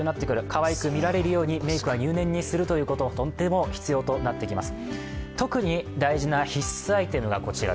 かわいく見られるようにメークは入念にするということとても必要になってきます。